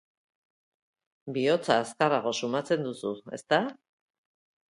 Bihotza azkarrago sumatzen duzu, ezta?